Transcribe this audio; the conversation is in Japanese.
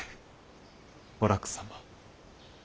お楽様。